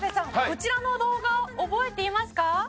こちらの動画を覚えていますか？」